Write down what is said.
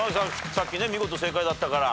さっきね見事正解だったから。